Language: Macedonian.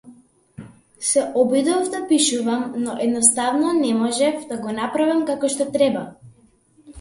Се обидов да пишувам, но едноставно не можев да го направам како што треба.